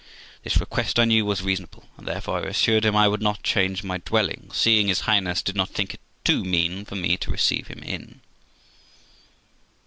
This request, I knew, was reasonable, and therefore I assured him I would not change my dwelling, seeing his Highness did not think it too mean for me to receive him in.